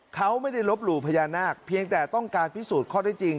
เขาไม่ได้ลบหลู่พญานาคเพียงแต่ต้องการพิสูจน์ข้อได้จริง